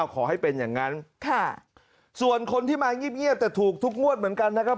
ขอให้เป็นอย่างนั้นส่วนคนที่มาเงียบแต่ถูกทุกงวดเหมือนกันนะครับ